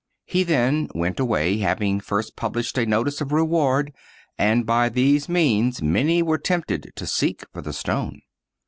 He then went away, having first published a notice of reward, and by these means many were tempted to seek for the stone.